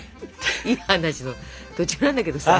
いい話の途中なんだけどさ。